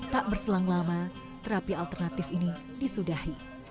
tak berselang lama terapi alternatif ini disudahi